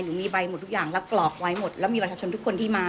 มีใบหมดทุกอย่างแล้วกรอกไว้หมดแล้วมีประชาชนทุกคนที่มา